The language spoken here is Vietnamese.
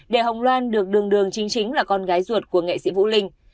để hồng loan được đường chính chính là con gái ruột của nghệ sĩ vũ linh